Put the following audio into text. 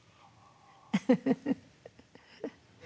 フフフッ。